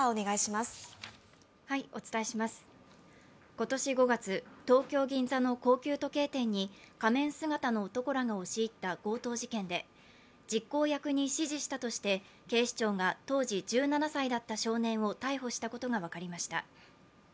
今年５月、東京・銀座の高級時計店に仮面姿の男らが押し入った強盗事件で実行役に指示したとして、警視庁が当時１７歳だった少年を逮捕したことが分かりました。